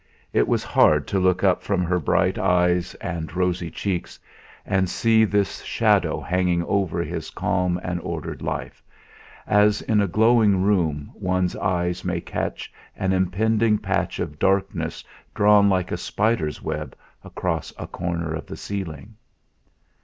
It was hard to look up from her bright eyes and rosy cheeks and see this shadow hanging above his calm and ordered life, as in a glowing room one's eye may catch an impending patch of darkness drawn like a spider's web across a corner of the ceiling.